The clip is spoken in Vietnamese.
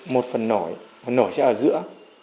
một phần nổi phần nổi sẽ ở giữa